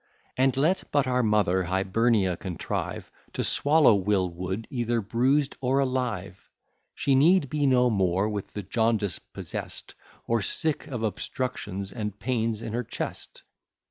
And, let but our mother Hibernia contrive To swallow Will Wood, either bruised or alive, She need be no more with the jaundice possest, Or sick of obstructions, and pains in her chest.